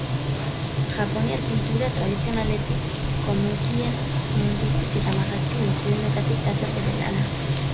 Japoniar pintura tradizionaletik, komikien mundutik eta marrazki bizidunetatik dator bere lana.